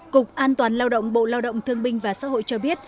cục an toàn lao động bộ lao động thương binh và xã hội cho biết